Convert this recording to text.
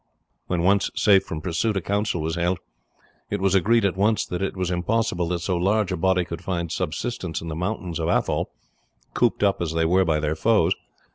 When once safe from pursuit a council was held. It was agreed at once that it was impossible that so large a body could find subsistence in the mountains of Athole, cooped up as they were by their foes.